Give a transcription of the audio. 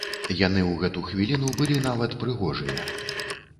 Яны ў гэту хвіліну былі нават прыгожыя.